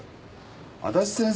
足達先生